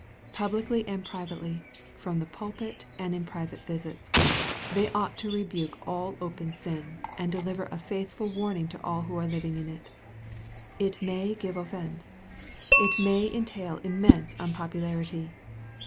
Publicly and privately, from the pulpit and in private visits, they ought to rebuke all open sin, and deliver a faithful warning to all who are living in it. It may give offence. It may entail immense unpopularity.